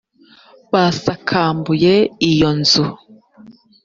basakambuye iyo nzu